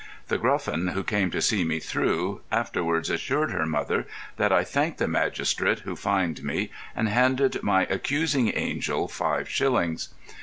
The Gruffin, who came to see me through, afterwards assured her mother that I thanked the Magistrate who fined me and handed my accusing angel five shillings.